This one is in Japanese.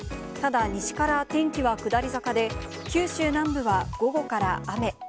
ただ西から天気は下り坂で、九州南部は午後から雨。